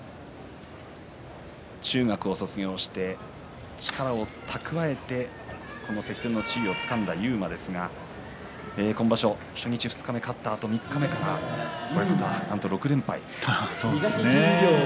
中学を卒業して力を蓄えて関取の地位をつかんだ勇磨ですが今場所、初日、二日目勝ったあと三日目からは６連敗。